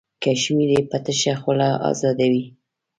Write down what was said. کشمیر یې په تشه خوله ازادوي.